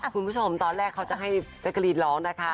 คุณผู้ชมตอนแรกเขาจะให้แจ๊กกะรีนร้องนะคะ